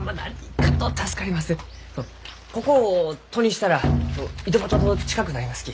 ここを戸にしたら井戸端と近くなりますき。